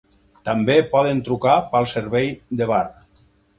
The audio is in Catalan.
També poden trucar pel servei de bar.